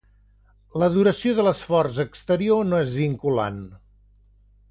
La duració de l'esforç exterior no és vinculant.